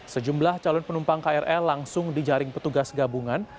sejumlah calon penumpang krl langsung di jaring petugas gabungan